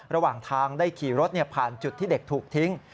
ระหว่างทางได้ขี่รถผ่านจุดที่เด็กถูกทิ้ง